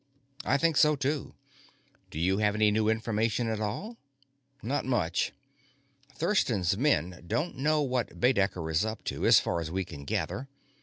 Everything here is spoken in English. "I think so, too. Do you have any new information at all?" "Not much. Thurston's men don't know what Baedecker is up to, as far as we can gather.